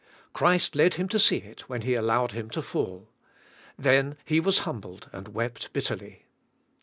Christ led him to see it when He allowed him to fall. Then he was humbled and wept bitterly.